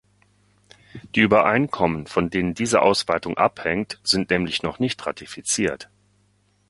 Die Übereinkommen, von denen diese Ausweitung abhängt, sind nämlich noch nicht ratifiziert.